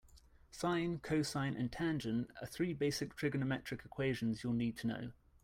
Sine, cosine and tangent are three basic trigonometric equations you'll need to know.